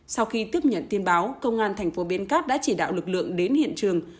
sau khi tiếp nhận tin báo công an thành phố biên cát đã chỉ đạo lực lượng đến hiện trường